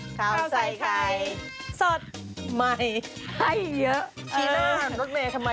เขาใส่ใคร